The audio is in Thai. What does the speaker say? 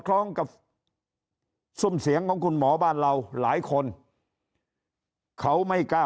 คล้องกับซุ่มเสียงของคุณหมอบ้านเราหลายคนเขาไม่กล้า